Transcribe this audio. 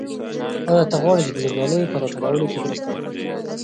آیا ته غواړې چې د زردالیو په راټولولو کې مرسته وکړې؟